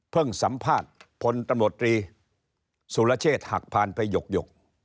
เพิ่งสัมภาษณ์ผลตรรมดรีสุรเชษฐ์หักพันไปหยก